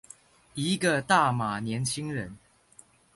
一個大馬年輕人